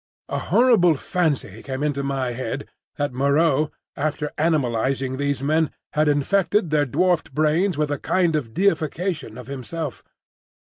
A horrible fancy came into my head that Moreau, after animalising these men, had infected their dwarfed brains with a kind of deification of himself.